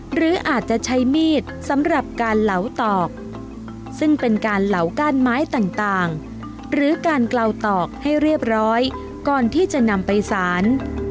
หรืออาจจะใช้มีดสำหรับการเหลาตอกหรือการกล่อตอกให้เรียบร้อยก่อนที่จะนำไปสาร